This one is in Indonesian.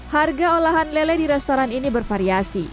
harga olahan lele di restoran ini bervariasi